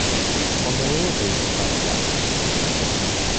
On the lower base are five plaques.